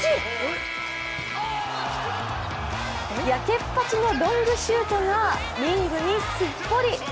やけっぱちのロングシュートがリングにすっぽり。